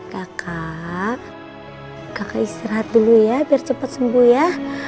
kakak kakak istirahat dulu ya biar cepat sembuh ya